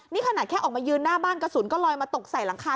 นี่ขนาดแค่ออกมายืนหน้าบ้านกระสุนก็ลอยมาตกใส่หลังคา